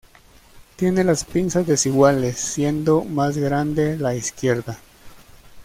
Tienen las pinzas desiguales, siendo más grande la izquierda.